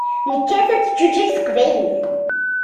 Nekkat ad teǧǧuǧeg teqbaylit.